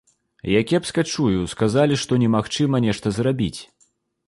Я кепска чую, сказалі, што немагчыма нешта зрабіць.